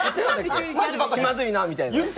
「気まずいな」みたいな。